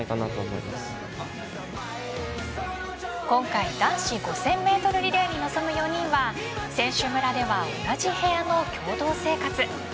今回、男子５０００メートルリレーに臨む４人は選手村では同じ部屋の共同生活。